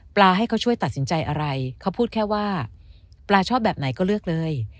ให้เขาช่วยตัดสินใจอะไรเขาพูดแค่ว่าปลาชอบแบบไหนก็เลือกเลย